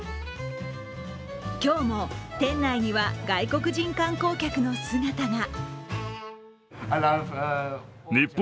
今日も店内には外国人観光客の姿が。